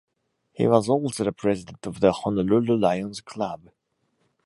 He was also the president of the Honolulu Lions Club.